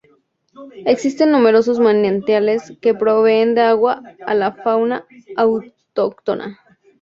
Existen numerosos manantiales que proveen de agua a la fauna autóctona.